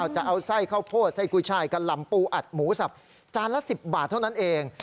จะเอาไส้ข้าวโพดไส้กุช่ายกะหล่ำปูอัดหมูสับจานละ๑๐บาทเท่านั้นเอง